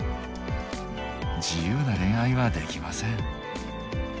自由な恋愛はできません。